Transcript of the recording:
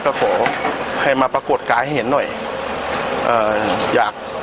ก็โขว่ให้มาปรากฏกายเห็นหน่อย